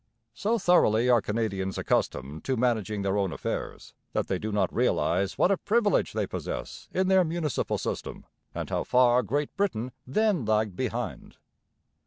So thoroughly are Canadians accustomed to managing their own affairs, that they do not realize what a privilege they possess in their municipal system, and how far Great Britain then lagged behind.